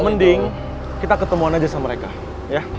mending kita ketemuan aja sama mereka ya